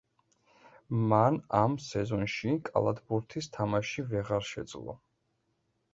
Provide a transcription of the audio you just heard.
მან ამ სეზონში კალათბურთის თამაში ვეღარ შეძლო.